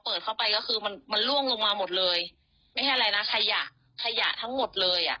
เปิดเข้าไปก็คือมันมันล่วงลงมาหมดเลยไม่ใช่อะไรนะขยะขยะทั้งหมดเลยอ่ะ